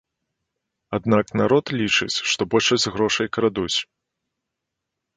Аднак народ лічыць, што большасць грошай крадуць.